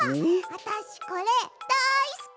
あたしこれだいすき！